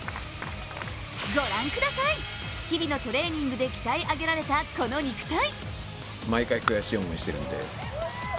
ご覧ください、日々のトレーニングで鍛え上げられた、この肉体。